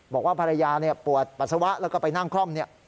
บอกว่าภรรยาปวดปัสสาวะแล้วก็ไปนั่งคล่อม